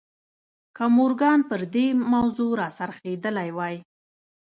که مورګان پر دې موضوع را څرخېدلی وای.